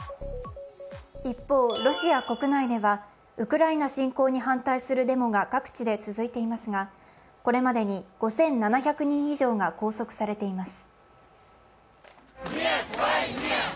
一方、ロシア国内ではウクライナ侵攻に反対するデモが各地で続いていますが、これまでに５７００人以上が拘束されています。